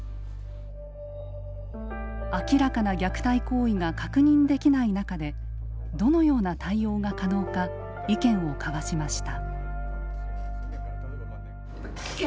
明らかな虐待行為が確認できない中でどのような対応が可能か意見を交わしました。